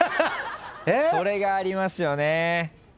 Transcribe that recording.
それがありますよね。